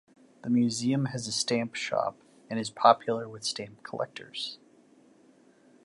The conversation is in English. The museum has a stamp shop, and is popular with stamp collectors.